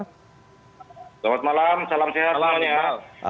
selamat malam salam sehat